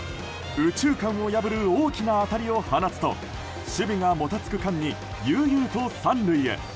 右中間を破る大きな当たりを放つと守備がもたつく間に悠々と３塁へ。